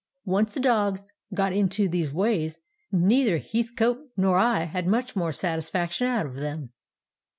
"Once the dogs got into these ways neither Heathcote nor I had much more satisfaction out of them.